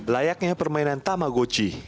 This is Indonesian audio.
layaknya permainan tamagotchi